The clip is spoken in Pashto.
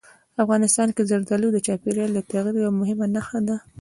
افغانستان کې زردالو د چاپېریال د تغیر یوه مهمه نښه ده.